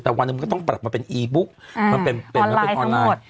แต่วันหนึ่งมันก็ต้องปรับมาเป็นอีบุ๊คอ่าออนไลน์ทั้งหมด